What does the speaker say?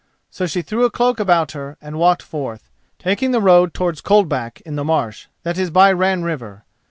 So she threw a cloak about her and walked forth, taking the road towards Coldback in the Marsh that is by Ran River.